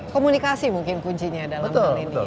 komunikasi mungkin kuncinya dalam hal ini